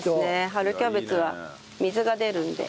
春キャベツは水が出るので。